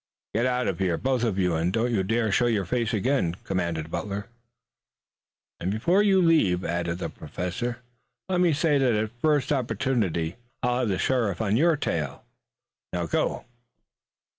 "Get out of here, both of you, and don't you dare show your faces again," commanded Butler. "And before you leave," added the Professor, "let me say that at the first opportunity I'll have the sheriff on your trail. Now go!"